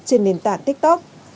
trên nền tảng tiktok